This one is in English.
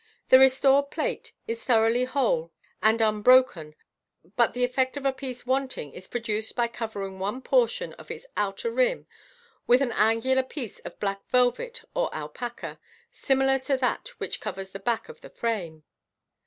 The restored plate is throughout whole and unLicken but the effect of a piece wanting is produced by covering one portion of its outer rim with an angular piece of black velvet or alpaca, similar to that which covers the back of the frame.